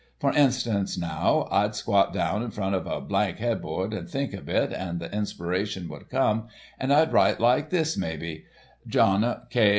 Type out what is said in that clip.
For instance now, I'd squat down in front of a blank headboard and think a bit, and the inspiration would come, and I'd write like this, maybe: 'Jno. K.